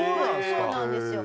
そうなんですよ。